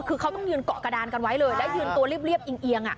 คือเขาต้องยืนเกาะกระดานกันไว้เลยแล้วยืนตัวเรียบเอียง